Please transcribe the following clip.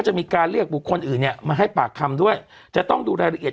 จะมีการเรียกบุคคลอื่นเนี่ยมาให้ปากคำด้วยจะต้องดูรายละเอียด